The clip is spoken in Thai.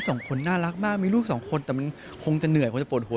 สองคนน่ารักมากมีลูกสองคนแต่มันคงจะเหนื่อยคงจะปวดหัว